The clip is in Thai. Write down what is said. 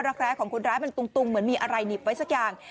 รักแร้ของคนร้ายมันตุงเหมือนมีอะไรหนีบไว้สักอย่าง